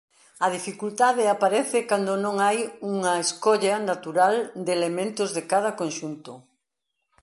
A dificultade aparece cando non hai unha escolla natural de elementos de cada conxunto.